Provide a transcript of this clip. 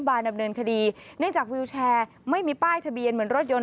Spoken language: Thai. ดำเนินคดีเนื่องจากวิวแชร์ไม่มีป้ายทะเบียนเหมือนรถยน